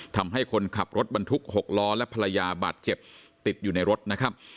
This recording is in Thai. ทำให้คนขับรถบรรทุก๖ล้อและภรรยาบาดเจ็บติดอยู่ในรถนะครับ